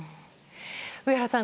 上原さん